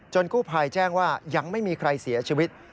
กู้ภัยแจ้งว่ายังไม่มีใครเสียชีวิต